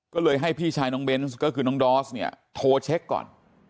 ก็เลยให้พี่ชายน้องเบนส์ก็คือน้องดอสเนี่ยโทรเช็คก่อน